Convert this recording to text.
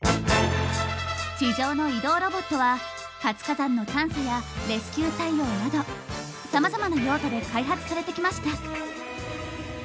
地上の移動ロボットは活火山の探査やレスキュー対応などさまざまな用途で開発されてきました。